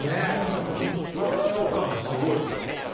ピスタチオ感、すごい。